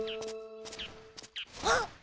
あっ！